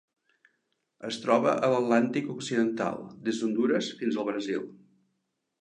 Es troba a l'Atlàntic occidental: des d'Hondures fins al Brasil.